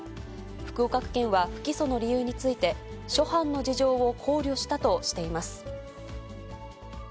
福岡区検は不起訴の理由について、諸般の事情を考慮したとしています。